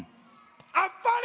「あっぱれ」。